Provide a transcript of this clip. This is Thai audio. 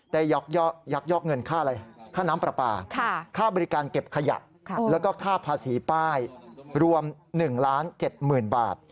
ยักยอกเงินค่าอะไรค่าน้ำปลาปลาค่าบริการเก็บขยะแล้วก็ค่าภาษีป้ายรวม๑๗๐๐๐บาท